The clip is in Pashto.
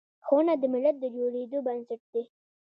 ښوونه د ملت د جوړیدو بنسټ دی.